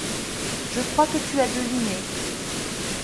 Je crois que tu as deviné.